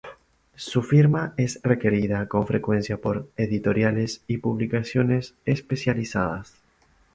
Su firma es requerida con frecuencia por editoriales y publicaciones especializadas.